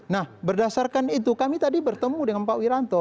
nah berdasarkan itu kami tadi bertemu dengan pak wiranto